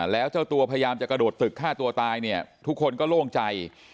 แล้วเจ้าตัวพยายามจะกระโดดตึกฆ่าตัวตายเนี่ยทุกคนก็โล่งใจ